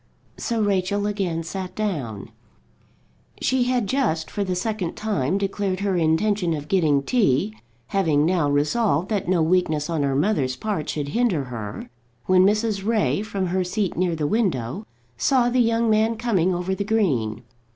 So Rachel again sat down. She had just, for the second time, declared her intention of getting tea, having now resolved that no weakness on her mother's part should hinder her, when Mrs. Ray, from her seat near the window, saw the young man coming over the green.